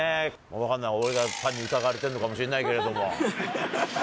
分かんない、俺が単に疑われているだけかもしれないけど。